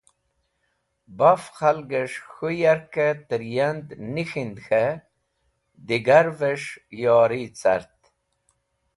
Baf khalgẽs̃h k̃hũ yarkẽ tẽryand nik̃hind k̃hẽ digarvẽrs̃h yori cart.